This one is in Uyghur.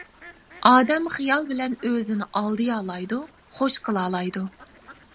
ئادەم خىيال بىلەن ئۆزىنى ئالدىيالايدۇ، خوش قىلالايدۇ.